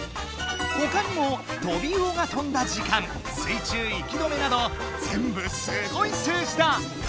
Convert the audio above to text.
ほかにも「トビウオがとんだ時間」「水中息止め」などぜんぶすごい数字だ！